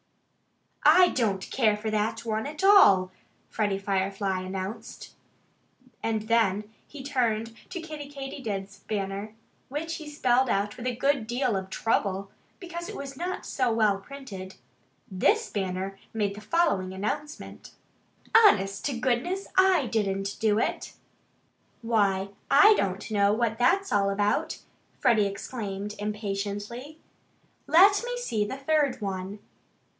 "I don't care for that one at all," Freddie Firefly announced. And he turned then to Kiddie Katydid's banner, which he spelled out with a good deal of trouble, because it was not so well printed. This banner made the following announcement: HONEST TO GOODNESS, I DIDN'T DO IT! "Why, I don't know what that's all about!" Freddie exclaimed impatiently. "Let me see the third one!"